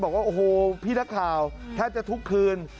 บอกว่าโอ้โหพี่นักข่าวแทบจะทุกคืน